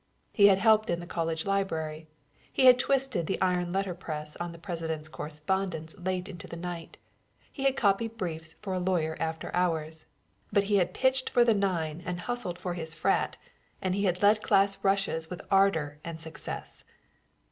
He had helped in the college library; he had twisted the iron letter press on the president's correspondence late into the night; he had copied briefs for a lawyer after hours; but he had pitched for the nine and hustled for his "frat," and he had led class rushes with ardor and success.